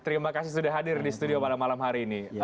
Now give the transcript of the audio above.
terima kasih sudah hadir di studio malam malam hari ini